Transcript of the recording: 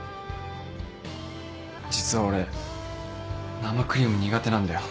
実は俺生クリーム苦手なんだよ。